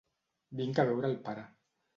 Vinc a veure el pare.